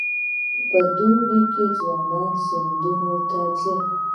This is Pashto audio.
په دوبي کې ځوانان سیندونو ته ځي.